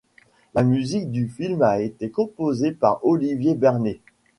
La musique du film a été composée par Olivier Bernet.